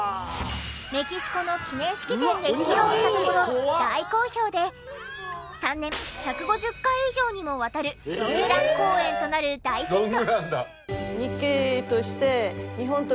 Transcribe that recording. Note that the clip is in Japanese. メキシコの記念式典で披露したところ大好評で３年１５０回以上にもわたるロングラン公演となる大ヒット。